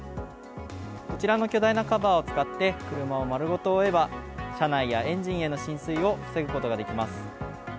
こちらの巨大なカバーを使って、車を丸ごと覆えば、車内やエンジンへの浸水を防ぐことができます。